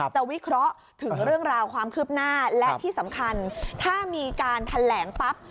วิเคราะห์ถึงเรื่องราวความคืบหน้าและที่สำคัญถ้ามีการแถลงปั๊บ